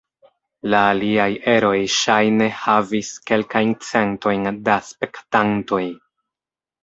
La aliaj eroj ŝajne havis kelkajn centojn da spektantoj.